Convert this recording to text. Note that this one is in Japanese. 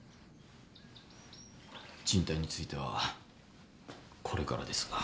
人体についてはこれからですが。